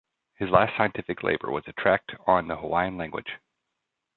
His last scientific labor was a tract on the Hawaiian language.